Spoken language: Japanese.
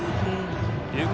龍谷